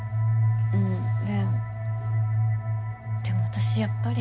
うんレンでも私やっぱり。